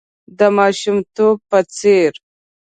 د ماشومتوب په څېر .